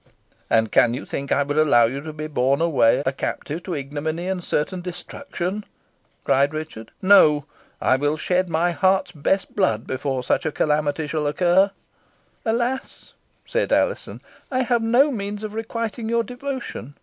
"And can you think I would allow you to be borne away a captive to ignominy and certain destruction?" cried Richard. "No, I will shed my heart's best blood before such a calamity shall occur." "Alas!" said Alizon, "I have no means of requiting your devotion.